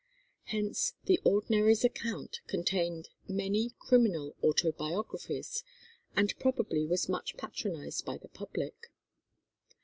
Hence the ordinary's account contained many criminal autobiographies, and probably was much patronized by the public.